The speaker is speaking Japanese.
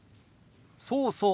そうそう。